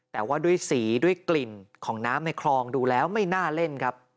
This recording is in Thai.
แต่ว่าด้วยสีด้วยกลิ่นของน้ำในคลองดูแล้วไม่น่าเล่นครับ